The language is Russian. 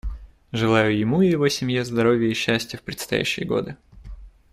Желаю ему и его семье здоровья и счастья в предстоящие годы.